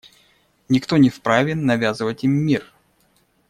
Никто не вправе навязывать им мир.